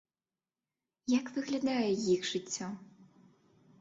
Як выглядае іх жыццё?